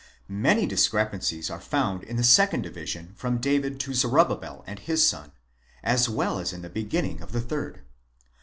Many discrepancies are found in the second division from David to Zoro babel and his son, as well as in the beginning of the third.